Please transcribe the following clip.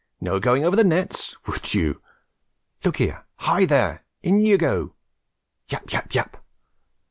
no going over the nets! Would you? Look here! hie there! in you go!" Yap! yap! yap!